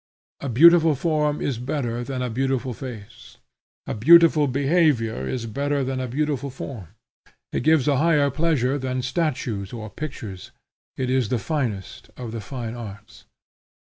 A beautiful form is better than a beautiful face; a beautiful behavior is better than a beautiful form: it gives a higher pleasure than statues or pictures; it is the finest of the fine arts.